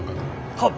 はっ！